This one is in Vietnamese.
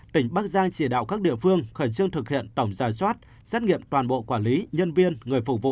tỉnh bắc giang chỉ đạo các địa phương khẩn trương thực hiện tổng giả soát xét nghiệm toàn bộ quản lý nhân viên người phục vụ